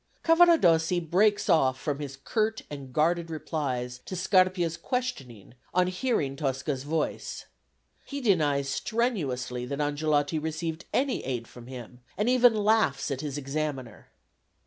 Cavaradossi breaks off from his curt and guarded replies to Scarpia's questioning on hearing Tosca's voice. He denies strenuously that Angelotti received any aid from him, and even laughs at his examiner.